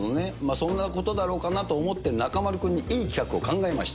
そんなことだろうかなと思って、中丸君にいい企画を考えました。